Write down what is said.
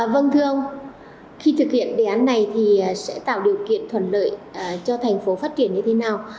vâng thưa ông khi thực hiện đề án này thì sẽ tạo điều kiện thuận lợi cho thành phố phát triển như thế nào